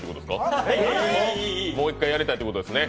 もう１回やりたいということですね。